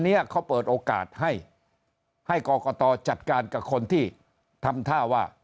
เนี้ยเขาเปิดโอกาสให้ให้กรกตจัดการกับคนที่ทำท่าว่า